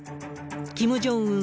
キム・ジョンウン